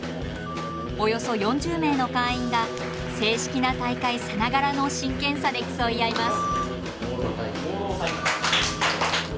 およそ４０名の会員が正式な大会さながらの真剣さで競い合います。